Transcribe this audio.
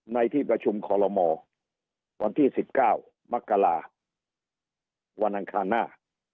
ในที่ประชุมคอลโลมวันที่๑๙มกราวันอังคารหน้า